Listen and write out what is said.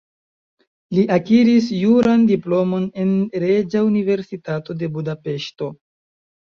Li akiris juran diplomon en Reĝa Universitato de Budapeŝto.